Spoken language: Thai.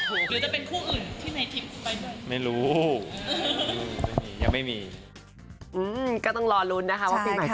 หรือจะเป็นคู่อื่นที่ไม่ทิ้งไปด้วย